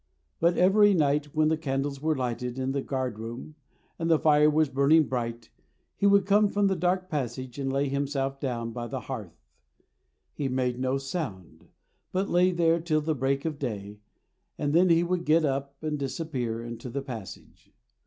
But every night when the candles were lighted in the guard room and the fire was burning bright, he would come from the dark passage and lay himself down by the hearth. He made no sound, but lay there till the break of day, and then he would get up and disappear into the passage.